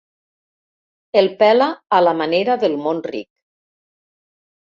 El pela a la manera del món ric.